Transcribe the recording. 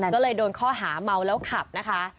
ก็เลยโดนข้อหาเมาแล้วขับนะคะ